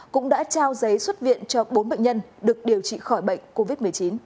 cũng đã trao giấy xuất viện cho bốn bệnh nhân được điều trị khỏi bệnh covid một mươi chín